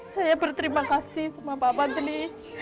saya berterima kasih sama bapak badli